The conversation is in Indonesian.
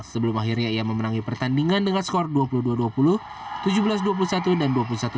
sebelum akhirnya ia memenangi pertandingan dengan skor dua puluh dua dua puluh tujuh belas dua puluh satu dan dua puluh satu tujuh belas